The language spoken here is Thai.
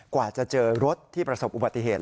กว่าจะเจอรถที่ประสบอุบัติเหตุ